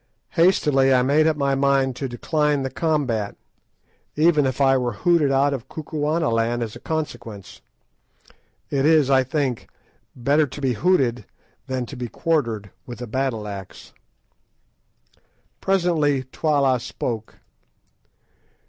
Hastily I made up my mind to decline the combat, even if I were hooted out of Kukuanaland as a consequence. It is, I think, better to be hooted than to be quartered with a battle axe. Presently Twala spoke.